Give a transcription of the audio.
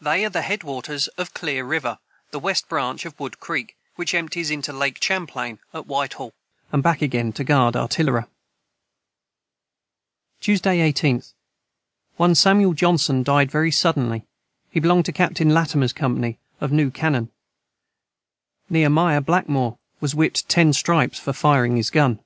They are the head waters of Clear river, the west branch of Wood creek, which empties into Lake Champlain at Whitehall.] Tuesday 18th. One Samuel Jonson died very suddenly he belonged to Captain Latimer Company of new Cannen, Nehemiah Blackmore was whipt 10 stripes for fireing his gun.